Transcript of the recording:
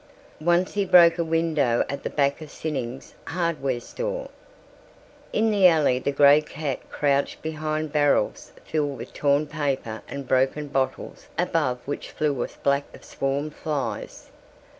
Once he broke a window at the back of Sinning's Hardware Store. In the alley the grey cat crouched behind barrels filled with torn paper and broken bottles above which flew a black swarm of flies.